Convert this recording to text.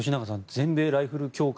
全米ライフル協会